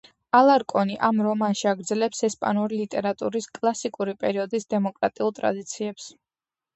ალარკონი ამ რომანში აგრძელებს ესპანური ლიტერატურის კლასიკური პერიოდის დემოკრატიულ ტრადიციებს.